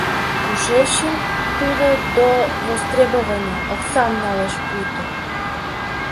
Кушечын тудо «До востребования» оксам налеш пуйто?